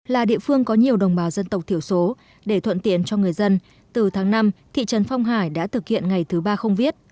là địa phương có nhiều đồng bào dân tộc thiểu số để thuận tiện cho người dân từ tháng năm thị trấn phong hải đã thực hiện ngày thứ ba không viết